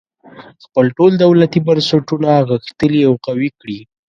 خپل ټول دولتي بنسټونه غښتلي او قوي کړي.